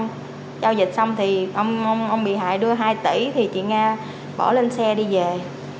giao dịch xong thì ông bị hại đưa hai tỷ thì chị nga bỏ lên xe đi về